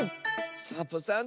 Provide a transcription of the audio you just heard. サボさん